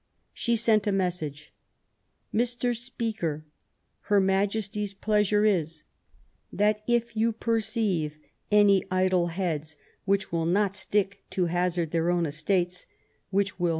She sent a message: "Mr. Speaker, Her Majesty's pleasure 1 266 QUEEN ELIZABETH. is, that if you perceive any idle heads, which will not stick to hazard their own estates, which will